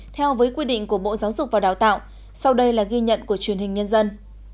theo với quy định của bộ giáo dục và đào tạo sau đây là ghi nhận của truyền hình nhân dân